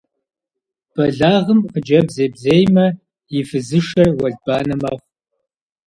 Бэлагъым хъыджэбз ебзеймэ, и фызышэр уэлбанэ мэхъу.